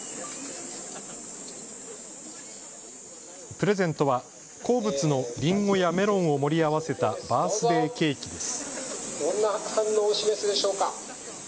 プレゼントは好物のリンゴやメロンを盛り合わせたバースデーケーキです。